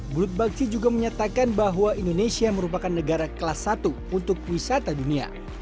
bulut bakci juga menyatakan bahwa indonesia merupakan negara kelas satu untuk wisata dunia